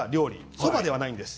そばではないんです。